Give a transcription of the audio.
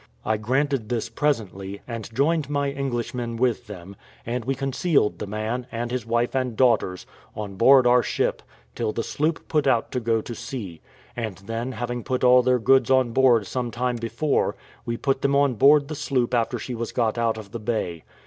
I granted this presently, and joined my Englishman with them; and we concealed the man, and his wife and daughters, on board our ship, till the sloop put out to go to sea; and then having put all their goods on board some time before, we put them on board the sloop after she was got out of the bay.